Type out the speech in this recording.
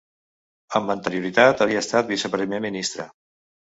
Amb anterioritat havia estat Viceprimer Ministre.